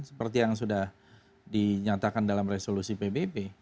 seperti yang sudah dinyatakan dalam resolusi pbb